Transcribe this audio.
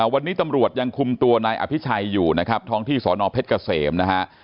วันนี้ตำรวจยังคุมตัวนายอภิชัยอยู่นะครับท้องที่สอนอเพชรเกษมนะฮะ